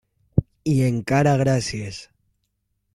I encara gràcies.